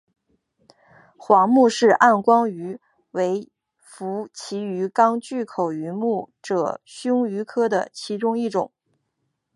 皇穆氏暗光鱼为辐鳍鱼纲巨口鱼目褶胸鱼科的其中一种。